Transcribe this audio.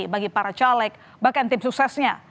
bagi para caleg bahkan tim suksesnya